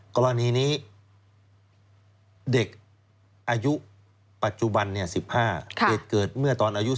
กรณีนี้เด็กอายุปัจจุบัน๑๕เหตุเกิดเมื่อตอนอายุ